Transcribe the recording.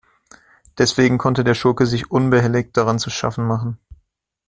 Deswegen konnte der Schurke sich unbehelligt daran zu schaffen machen.